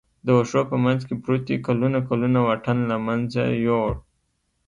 د وښو په منځ کې پروتې کلونه کلونه واټن له منځه یووړ.